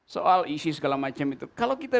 soal isi segala macam itu kalau kita